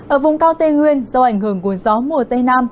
ở vùng cao tây nguyên do ảnh hưởng của gió mùa tây nam